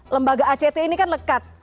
lembaga act ini kan lekat